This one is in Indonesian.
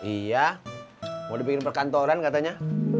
iya mau dibikin perkantoran katanya